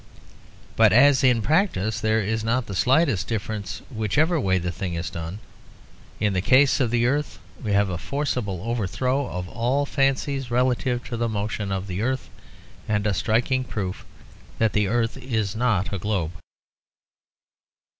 But as in practice there is not the slightest difference whichever way the thing is done, in the case of the earth 'we have a forcible overthrow of all fancies relative to the motion of the earth, and a striking proof that the earth is not a globe.'